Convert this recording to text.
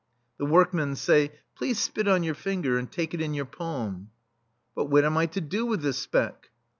The workmen say :" Please spit on your finger, and take it in your palm." "But what am I to do with this speck?"